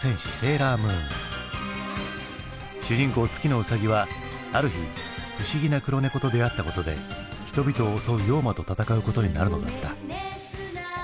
主人公月野うさぎはある日不思議な黒猫と出会ったことで人々を襲う妖魔と戦うことになるのだった。